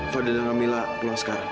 fadl dan amila pulang sekarang